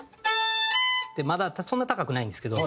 まだそんな高くないんですけど。